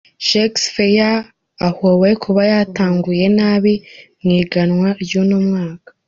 Shakespeare ahowe kuba yatanguye nabi mw'ihiganwa ry'uno mwaka.